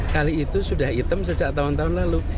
kali itu sudah hitam sejak tahun tahun lalu